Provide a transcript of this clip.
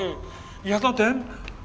iya toh den